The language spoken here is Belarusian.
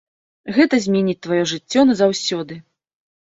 Гэта зменіць тваё жыццё назаўсёды.